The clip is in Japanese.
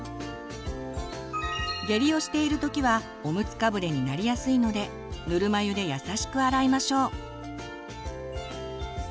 下痢をしているときはおむつかぶれになりやすいのでぬるま湯で優しく洗いましょう。